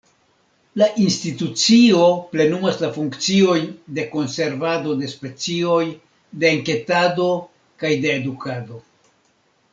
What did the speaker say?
La institucio plenumas la funkciojn de konservado de specioj, de enketado kaj de edukado.